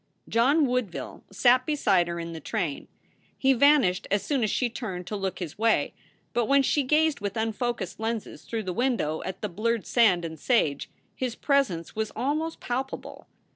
John W oodville sat beside her in the train. He vanished as soon as she turned to look his way, but when she gazed with unfocused lenses through the window at the blurred sand and sage his presence was almost palpable.